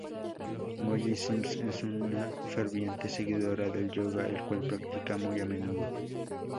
Molly Sims es una ferviente seguidora del yoga, el cual practica muy a menudo.